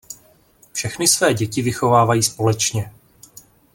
Všechny své děti vychovávají společně.